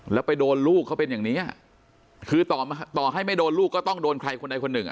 แล้วไปโดนลูกเขาเป็นอย่างนี้คือต่อให้ไม่โดนลูกก็ต้องโดนใครคนใดคนหนึ่งอ่ะ